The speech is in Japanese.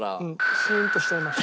シーンとしちゃいました。